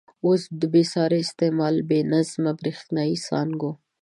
اوس د بې ساري استعمال، بې نظمه برېښنايي څاګانو.